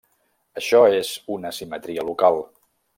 Això és una simetria local.